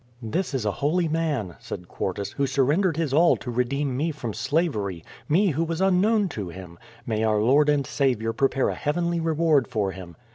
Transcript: "This is a holy man," said Quartus,"who surrendered his all to redeem me from slavery, me who was unknown to him. May our Lord and Saviour prepare a heavenly reward for him."